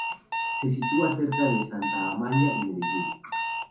Se sitúa cerca de Santa Amalia y Medellín.